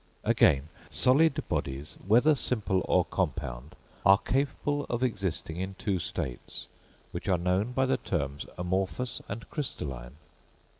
Again; solid bodies, whether simple or compound, are capable of existing in two states, which are known by the terms amorphous and crystalline.